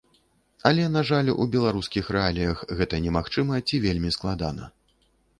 Але, на жаль, у беларускіх рэаліях гэта немагчыма ці вельмі складана.